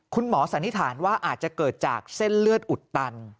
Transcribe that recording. สันนิษฐานว่าอาจจะเกิดจากเส้นเลือดอุดตัน